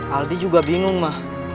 aldi juga bingung ma